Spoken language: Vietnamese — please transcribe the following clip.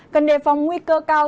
cần đề phòng nguy cơ cao